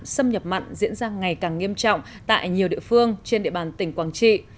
xâm nhập mặn diễn ra ngày càng nghiêm trọng tại nhiều địa phương trên địa bàn tỉnh quảng trị